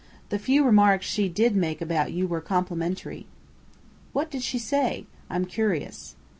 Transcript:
The few remarks she did make about you were complimentary." "What did she say? I'm curious."